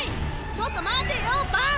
ちょっと待てよバン！